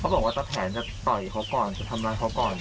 บอกว่าถ้าแผนจะต่อยเขาก่อนจะทำร้ายเขาก่อน